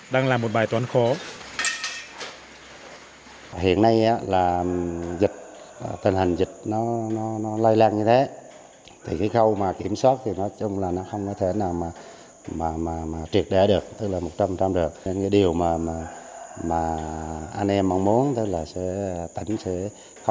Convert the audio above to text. đang là một bài toán khó